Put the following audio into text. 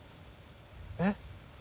えっ？